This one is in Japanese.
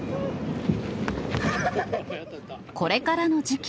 これからの時期、